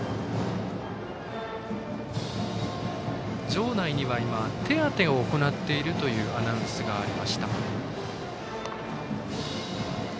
場内には今手当てを行っているというアナウンスがありました。